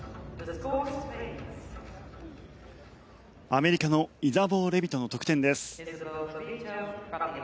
アメリカのイザボー・レビトの得点です。